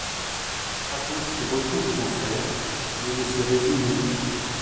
Kratos se retrouve aux Enfers, mais ne se résigne pas.